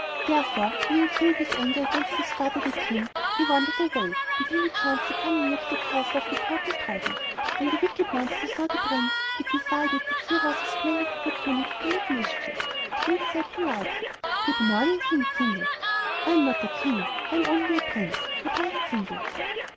Therefore, being filled with anger against his father, the King, he wandered away until he chanced to come near to the castle of the Purple Dragon. When the wicked monster saw the Prince, it decided that here was a splendid opportunity to make mischief; so it said, politely: "Good morning, King Zingle." "I am not a king I am only a prince," replied Zingle.